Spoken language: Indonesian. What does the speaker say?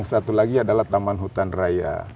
satu lagi adalah taman hutan raya